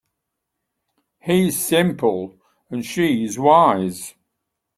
He's simple and she's wise.